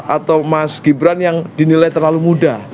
atau mas gibran yang dinilai terlalu muda